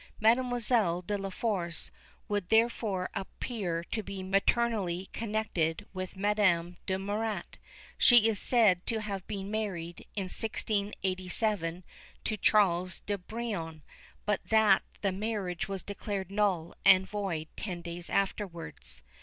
Mademoiselle de la Force would therefore appear to be maternally connected with Madame de Murat. She is said to have been married, in 1687, to Charles de Brion; but that the marriage was declared null and void ten days afterwards.